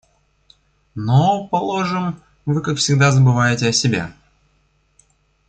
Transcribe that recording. Но, положим, вы, как всегда, забываете о себе.